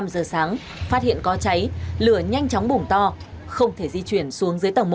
năm giờ sáng phát hiện có cháy lửa nhanh chóng bùng to không thể di chuyển xuống dưới tầng một